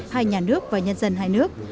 hai nhà nước và nhân dân hai nước